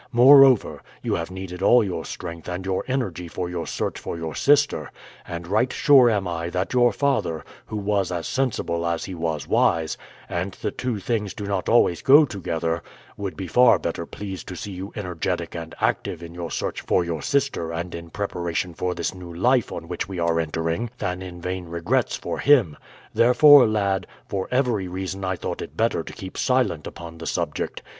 Moreover, you have needed all your strength and your energy for your search for your sister, and right sure am I that your father, who was as sensible as he was wise and the two things do not always go together would be far better pleased to see you energetic and active in your search for your sister and in preparation for this new life on which we are entering, than in vain regrets for him; therefore, lad, for every reason I thought it better to keep silent upon the subject.